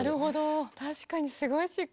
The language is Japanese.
確かにすごいしっくり。